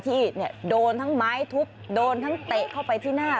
ที่โดนทั้งไม้ทุบโดนทั้งเตะเข้าไปที่หน้า